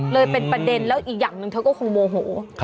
เลยเป็นประเด็นแล้วอีกอย่างหนึ่งเธอก็คงโมโห